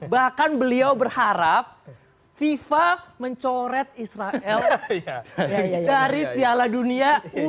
bahkan beliau berharap fifa mencoret israel dari piala dunia dua ribu dua puluh